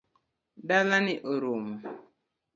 Dala ni orumo .